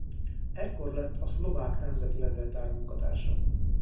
Ekkor lett a Szlovák Nemzeti Levéltár munkatársa.